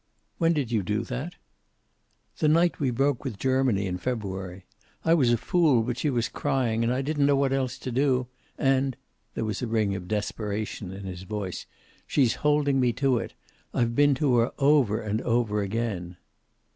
"When did you do that?" "The night we broke with Germany in February. I was a fool, but she was crying, and I didn't know what else to do. And" there was a ring of desperation in his voice "she's holding me to it. I've been to her over and over again."